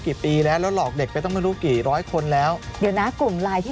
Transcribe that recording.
กี่ปีแล้วแล้วหลอกเด็กไปต้องไม่รู้กี่ร้อยคนแล้วเดี๋ยวนะกลุ่มไลน์ที่